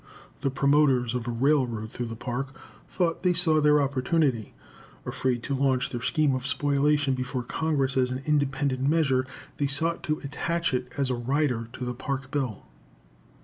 The promoters of a railroad through the Park thought they saw their opportunity. Afraid to launch their scheme of spoliation before Congress as an independent measure, they sought to attach it as a rider to the Park bill.